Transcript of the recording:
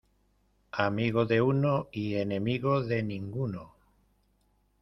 Amigo de uno, y enemigo de ninguno.